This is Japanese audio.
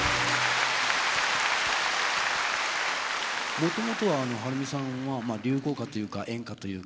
もともとははるみさんは流行歌というか演歌というか。